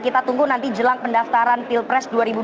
kita tunggu nanti jelang pendaftaran pilpres dua ribu dua puluh